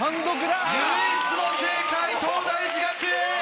唯一の正解東大寺学園。